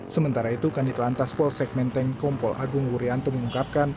sementara itu kandit lantas polsegmenteng kompol agung wuryanto mengungkapkan